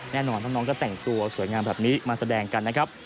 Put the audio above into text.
แน่นอนน้องก็แต่งตัวสวยงามแบบนี้มาแสดงกันนะครับ